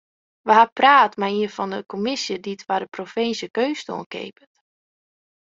We ha praat mei ien fan de kommisje dy't foar de provinsje keunst oankeapet.